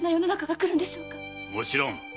もちろん。